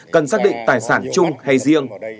cần xác định tài sản chung hay riêng